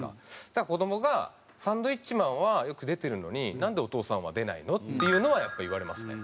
だから子供が「サンドウィッチマンはよく出てるのになんでお父さんは出ないの？」っていうのはやっぱり言われますね。